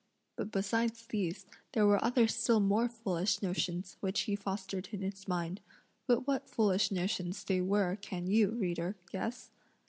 But besides these, there were other still more foolish notions, which he fostered in his mind; but what foolish notions they were can you, reader, guess?